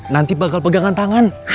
nanti bakal pegangan tangan